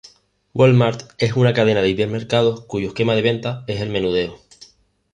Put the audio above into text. Walmart es una cadena de hipermercados cuyo esquema de ventas es al menudeo.